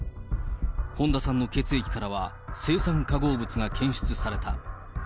本田さんの血液からは青酸化合物が検出された。